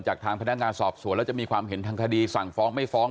ทางพนักงานสอบสวนแล้วจะมีความเห็นทางคดีสั่งฟ้องไม่ฟ้อง